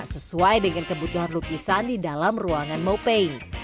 sesuai dengan kebutuhan lukisan di dalam ruangan mopay